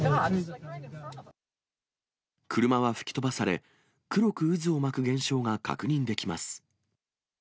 車は吹き飛ばされ、黒く渦を巻く現象が確認できます。